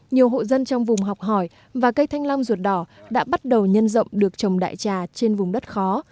nhiều hộ dân trong vùng học hỏi và cây thanh long ruột đỏ đã bắt đầu nhân rộng được trồng đại trà trên vùng đất khó